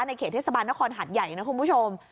เขตเทศบาลนครหัดใหญ่นะคุณผู้ชม